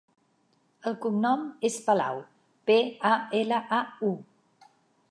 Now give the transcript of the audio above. El cognom és Palau: pe, a, ela, a, u.